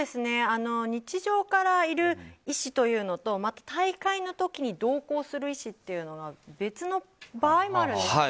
日常からいる医師というのと大会の時に同行する医師というのは別の場合もあるんです。